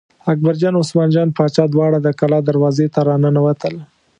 اکبرجان او عثمان جان باچا دواړه د کلا دروازې ته را ننوتل.